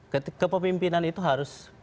ketika kepemimpinan itu harus